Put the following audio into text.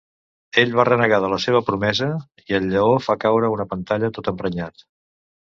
Ell va renegar de la seva promesa, i el lleó fa caure una pantalla tot emprenyat.